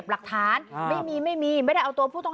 ชาวบ้านญาติโปรดแค้นไปดูภาพบรรยากาศขณะ